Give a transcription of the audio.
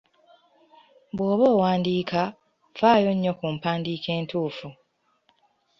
Bw'oba owandiika, faayo nnyo ku mpadiika entuufu.